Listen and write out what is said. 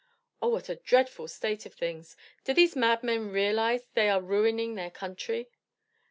"Oh, what a dreadful state of things! Do these madmen realize that they are ruining their country?"